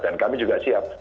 dan kami juga siap